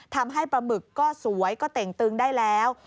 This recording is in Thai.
ทำให้ปลาหมึกก็สวยก็เต่งตึงได้แล้ว